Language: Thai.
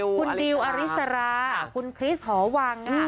คุณดิวอริสราคุณคริสหอวัง